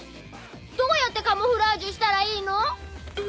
どうやってカモフラージュしたらいいの？